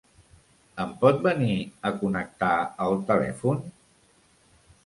Em pot venir a connectar el telèfon?